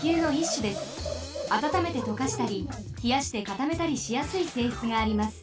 あたためてとかしたりひやしてかためたりしやすいせいしつがあります。